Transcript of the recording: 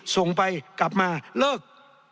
ส่งไปกลับมาเลิก